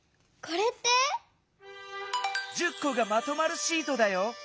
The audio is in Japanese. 「１０こがまとまるシート」だよ。